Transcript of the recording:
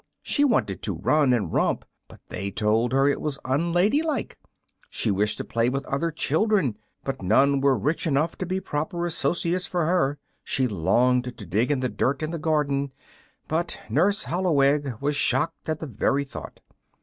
She wanted to run and romp, but they told her it was unladylike; she wished to play with other children, but none were rich enough to be proper associates for her; she longed to dig in the dirt in the garden, but Nurse Holloweg was shocked at the very thought.